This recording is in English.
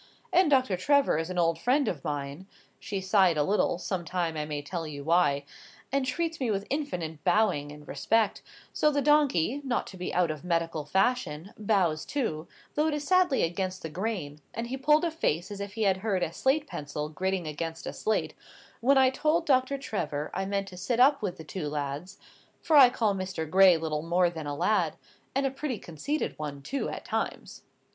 And Doctor Trevor is an old friend of mine" (she sighed a little, some time I may tell you why), "and treats me with infinite bowing and respect; so the donkey, not to be out of medical fashion, bows too, though it is sadly against the grain; and he pulled a face as if he had heard a slate pencil gritting against a slate, when I told Doctor Trevor I meant to sit up with the two lads, for I call Mr. Gray little more than a lad, and a pretty conceited one, too, at times."